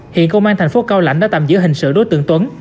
hiện công an thành phố cao lãnh đã tạm giữ hình sự đối tượng tuấn